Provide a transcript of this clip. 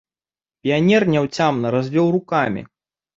Піянер няўцямна развёў рукамі.